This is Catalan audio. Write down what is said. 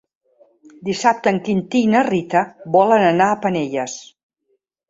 Dissabte en Quintí i na Rita volen anar a Penelles.